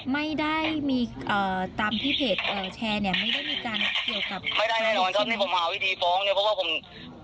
ไม่ได้มีตามที่เพจแชร์เนี่ยไม่ได้มีการเกี่ยวกับ